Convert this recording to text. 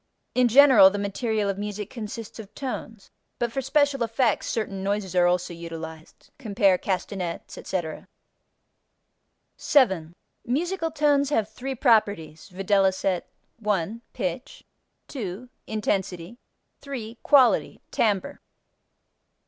In general the material of music consists of tones, but for special effects certain noises are also utilized (cf. castanets, etc.). 7. Musical tones have three properties, viz.: 1. Pitch. 2. Intensity. 3. Quality (timbre).